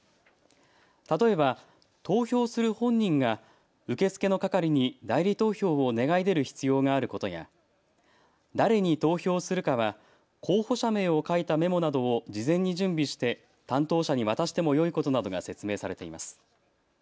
例えば投票する本人が受け付けの係に代理投票を願い出る必要があることや、誰に投票するかは候補者名を書いたメモなどを事前に準備して担当者に渡してもよいことなどが説明されています。